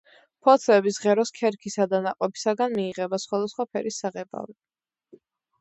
ფოთლების, ღეროს ქერქისა და ნაყოფისაგან მიიღება სხვადასხვა ფერის საღებავი.